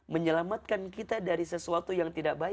menyelamatkan kita dari sesuatu yang tidak baik